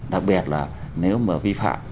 đặc biệt là nếu mà vi phạm